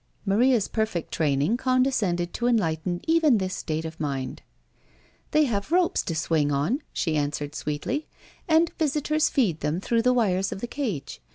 Maria's perfect training condescended to enlighten even this state of mind. "They have ropes to swing on," she answered sweetly; "and visitors feed them through the wires of the cage.